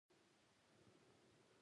دغه درې مجسمې په دې سیمه کې وې.